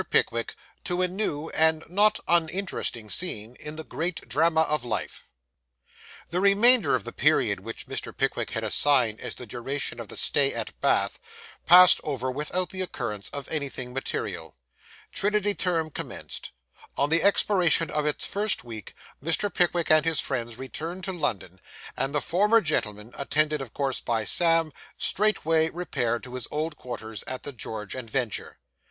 PICKWICK TO A NEW AND NOT UNINTERESTING SCENE IN THE GREAT DRAMA OF LIFE The remainder of the period which Mr. Pickwick had assigned as the duration of the stay at Bath passed over without the occurrence of anything material. Trinity term commenced. On the expiration of its first week, Mr. Pickwick and his friends returned to London; and the former gentleman, attended of course by Sam, straightway repaired to his old quarters at the George and Vulture.